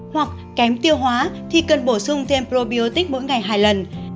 hoặc kém tiêu hóa thì cần bổ sung thêm probiotic mỗi ngày hai lần